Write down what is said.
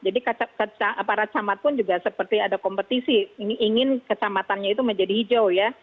jadi aparat camat pun juga seperti ada kompetisi ingin kecamatannya itu menjadi hijau ya